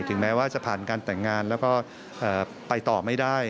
แม้ว่าจะผ่านการแต่งงานแล้วก็ไปต่อไม่ได้